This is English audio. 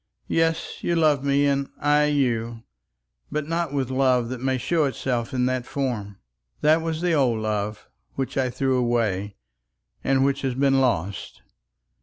"Yes; you love me, and I you; but not with love that may show itself in that form. That was the old love, which I threw away, and which has been lost.